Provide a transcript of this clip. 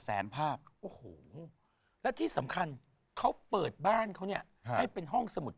แสนภาพโอ้โหและที่สำคัญเขาเปิดบ้านเขาเนี่ยให้เป็นห้องสมุด